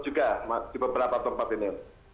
juga di beberapa tempat ini